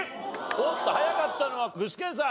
おっと早かったのは具志堅さん。